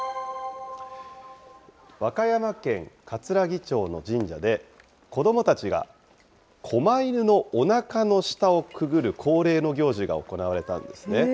和歌山県かつらぎ町の神社で、子どもたちが、こま犬のおなかの下をくぐる恒例の行事が行われたんですね。